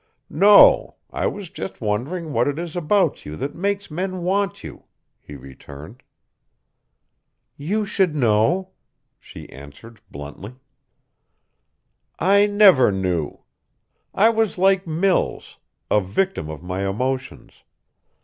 "No. I was just wondering what it is about you that makes men want you," he returned. "You should know," she answered bluntly. "I never knew. I was like Mills: a victim of my emotions.